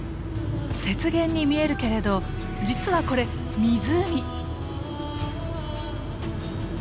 雪原に見えるけれど実はこれ湖。